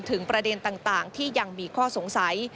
ประเด็นต่างที่ยังมีข้อสงสัย